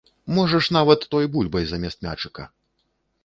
Можаш нават той бульбай замест мячыка.